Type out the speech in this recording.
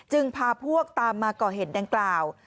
พาพวกตามมาก่อเหตุดังกล่าว